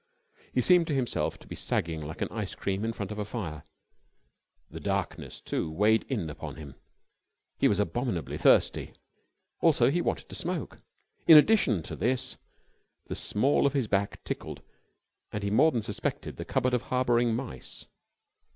He seemed to himself to be sagging like an ice cream in front of a fire. The darkness, too, weighed upon him. He was abominably thirsty. Also he wanted to smoke. In addition to this, the small of his back tickled, and he more than suspected the cupboard of harboring mice.